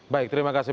baik terima kasih